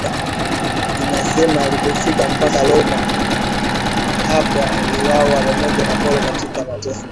inasema alifika mpaka Roma Hapo aliuawa pamoja na Paulo katika mateso